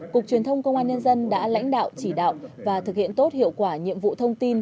cục truyền thông công an nhân dân đã lãnh đạo chỉ đạo và thực hiện tốt hiệu quả nhiệm vụ thông tin